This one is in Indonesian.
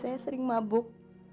saya sering mabuk